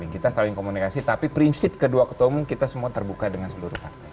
kita saling komunikasi tapi prinsip kedua ketua umum kita semua terbuka dengan seluruh partai